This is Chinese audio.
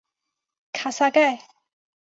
卡萨盖。